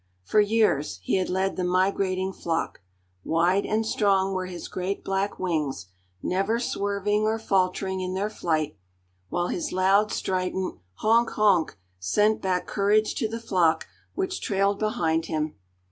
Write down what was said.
For years he had led the migrating flock; wide and strong were his great black wings, never swerving or faltering in their flight, while his loud, strident "honk, honk" sent back courage to the flock which trailed behind him.